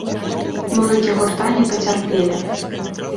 Музыкі гурта не пацярпелі.